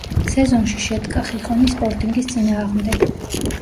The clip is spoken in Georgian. სეზონში შედგა, ხიხონის სპორტინგის წინააღმდეგ.